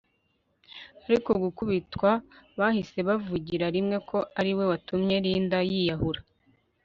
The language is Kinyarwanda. ari gukubitwa bahise bavugira rimwe ko ariwe watumye Linda yiyahura